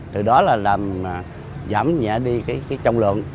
từ đó là làm giảm nhẹ đi cái trọng lượng